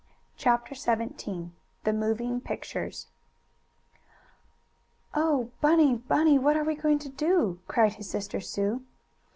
CHAPTER XVII THE MOVING PICTURES "Oh, Bunny! Bunny! What are we going to do?" cried his sister Sue.